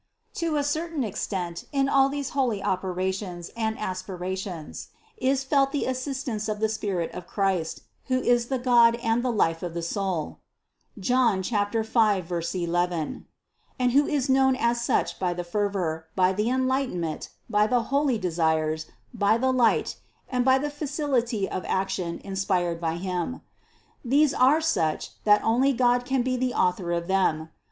To a certain extent, in all these holy operations and aspirations, is felt the assistance of the spirit of Christ, who is the God and the life of the soul (John 5, 11) and who is known as such by the fervor, by the en lightenment, by the holy desires, by the light, and by the facility of action inspired by Him. These are such, that only God can be the Author of them.